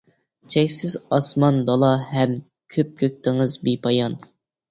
چەكسىز ئاسمان، دالا ھەم، كۆپكۆك دېڭىز بىپايان.